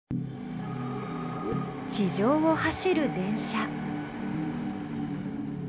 地上を走る電車。